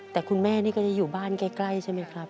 แต่คุณแม่นี่ก็จะอยู่บ้านใกล้ใช่ไหมครับ